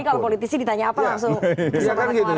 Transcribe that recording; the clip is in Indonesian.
jadi kalau politisi ditanya apa langsung